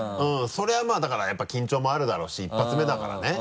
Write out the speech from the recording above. それはまぁだからやっぱ緊張もあるだろうし一発目だからね。